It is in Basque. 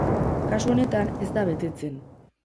Kasu honetan, ez da betetzen.